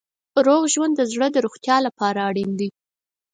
روغ ژوند د زړه د روغتیا لپاره اړین دی.